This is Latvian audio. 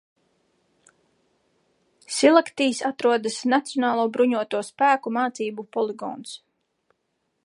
Silaktīs atrodas Nacionālo bruņoto spēku mācību poligons.